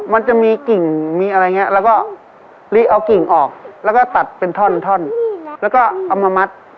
มันจะมีกิ่งมีอะไรอย่างนี้แล้วก็เอากิ่งออกแล้วก็ตัดเป็นท่อนแล้วก็เอามามัด